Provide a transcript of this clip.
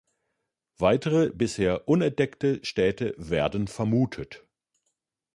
Weitere bisher unentdeckte Städte werden vermutet.